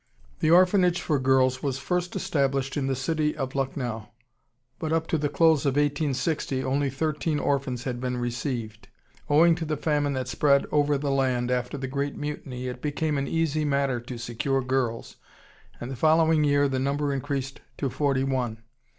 The orphanage for girls was first established in the city of Lucknow, but up to the close of 1860 only thirteen orphans had been received. Owing to the famine that spread over the land after the great mutiny, it became an easy matter to secure girls, and the following year the number increased to forty one....